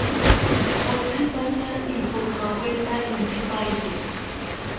Otsipata ipokaweta intzipaete